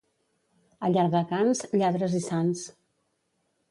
A Llardecans, lladres i sants.